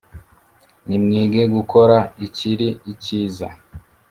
Nimwige gukora ikiri icyiza,